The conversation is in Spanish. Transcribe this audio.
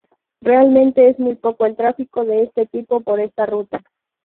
Realmente es muy poco el trafico de este tipo por esta ruta.